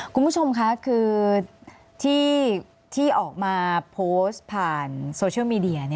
คุณผู้ชมค่ะคือที่ออกมาโพสต์ผ่านโซเชียลมีเดีย